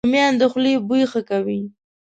رومیان د خولې بوی ښه کوي